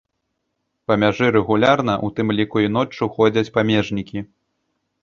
Па мяжы рэгулярна, у тым ліку і ноччу, ходзяць памежнікі.